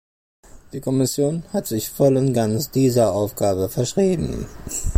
Die Kommission hat sich voll und ganz dieser Aufgabe verschrieben.